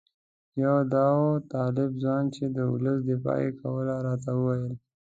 یو داوطلب ځوان چې د ولس دفاع یې کوله راته وویل.